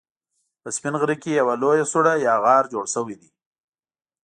په سپين غره کې يوه لويه سوړه يا غار جوړ شوی دی